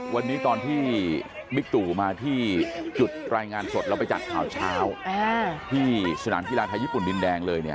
วันนี้ตอนที่บิกตุมาที่จุดรายงานสดแล้วไปจัดข่าวที่สถานพิราณไทยญี่ปุ่นดินแดงเลยเนี่ย